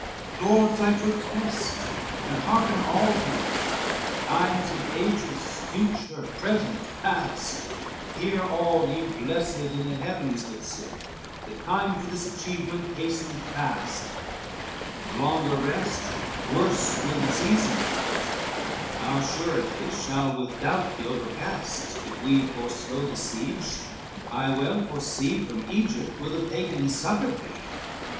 XXVIII "Lords, I protest, and hearken all to it, Ye times and ages, future, present, past, Hear all ye blessed in the heavens that sit, The time for this achievement hasteneth fast: The longer rest worse will the season fit, Our sureties shall with doubt be overcast. If we forslow the siege I well foresee From Egypt will the Pagans succored be."